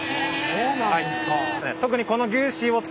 そうなんですか。